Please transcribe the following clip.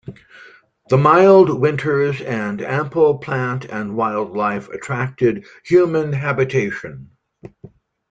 The mild winters, and ample plant and wildlife attracted human habitation.